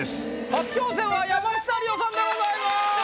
初挑戦は山下リオさんでございます。